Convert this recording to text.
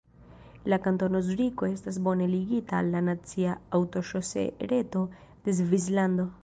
La Kantono Zuriko estas bone ligita al la nacia aŭtoŝose-reto de Svislando.